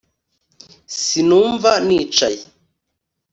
Sinumva nicaye